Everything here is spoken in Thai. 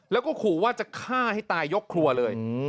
แล้วก็ขู่ว่าจะฆ่าให้ตายยกครัวเลย